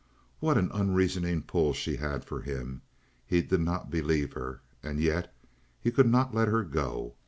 What an unreasoning pull she had for him! He did not believe her, and yet he could not let her go.